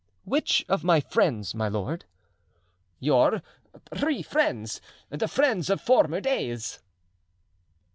"Which of my friends, my lord?" "Your three friends—the friends of former days."